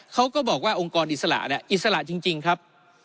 เขาก็บอกว่าองค์กรอิสระเนี่ยอิสระจริงครับ